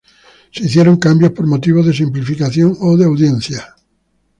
Se hicieron cambios por motivos de simplificación o de audiencia.